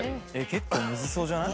結構ムズそうじゃない？